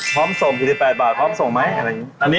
พร้อมส่ง๔๘บาทพร้อมส่งไหมอะไรอย่างนี้